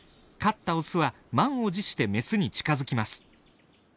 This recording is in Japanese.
勝ったオスは満を持してメスに近づきます。